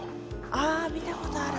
ああ見たことある。